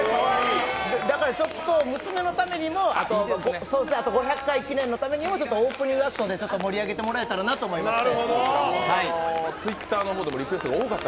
だからちょっと娘のためにもあと５００回記念のためにもオープニングアクトで盛り上げてもらえたらなと思って。